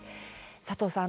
佐藤さん